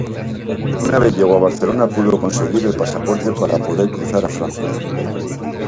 Una vez llegó a Barcelona pudo conseguir el pasaporte para poder cruzar a Francia.